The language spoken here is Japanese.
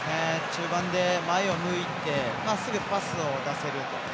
中盤で前を向いてすぐにパスを出せると。